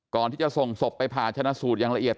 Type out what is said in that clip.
ก่อนที่จะส่งศพไปผ่าชนะสูตรอย่างละเอียด